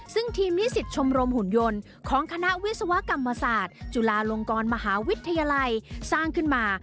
ซึ่งทีมนิสิตชมรมหุ่นยนต์ของคณะวิศวกรรมศาสตร์จุฬาลงกรมหาวิทยาลัยสร้างขึ้นมา